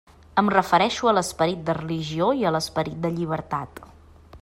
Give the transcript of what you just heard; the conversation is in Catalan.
Em refereixo a l'esperit de religió i a l'esperit de llibertat.